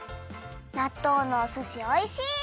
なっとうのおすしおいしい！